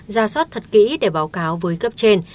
ra soát thật kỹ để báo cáo với cấp trên